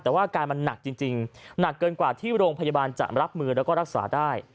แต่ว่าอาการมันหนักจริงหนักเกินกว่าที่โรงพยาบาลจะรับมือแล้วก็รักษาได้